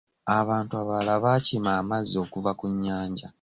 Abantu abalala baakima amazzi okuva ku nnyanja.